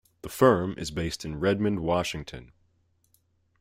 The firm is based in Redmond, Washington.